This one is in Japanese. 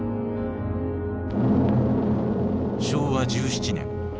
昭和１７年。